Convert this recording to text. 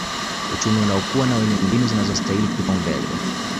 uchumi unaokua na wenye mbinu zinazostahili kupaumbele